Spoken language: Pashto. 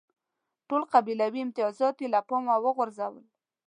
ټول قبیلوي امتیازات یې له پامه وغورځول.